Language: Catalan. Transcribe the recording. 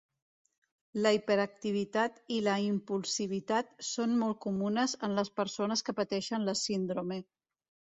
La hiperactivitat i la impulsivitat són molt comunes en les persones que pateixen la síndrome.